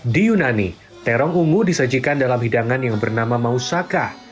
di yunani terong ungu disajikan dalam hidangan yang bernama mausaka